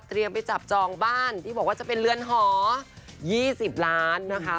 ไปจับจองบ้านที่บอกว่าจะเป็นเรือนหอ๒๐ล้านนะคะ